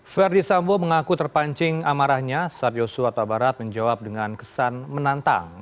verdi sambo mengaku terpancing amarahnya saat yosua tabarat menjawab dengan kesan menantang